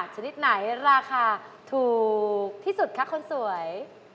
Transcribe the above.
ชนิดไหนราคาถูกที่สุดคะคนสวย